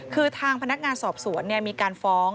คือทางพนักงานสอบสวนมีการฟ้อง